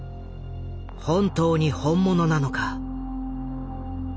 本当に本物なのか？